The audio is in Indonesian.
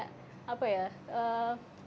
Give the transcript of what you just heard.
mungkin dengan campaign dengan jokopi